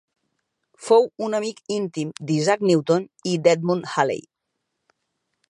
Fou un amic íntim d'Isaac Newton i d'Edmund Halley.